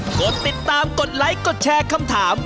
กดติดตามกดไลค์กดแชร์คำถาม